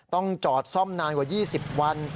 ต้องจอดซ่อมนานกว่า๒๐วัน